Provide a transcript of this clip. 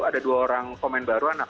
ada dua orang pemain baru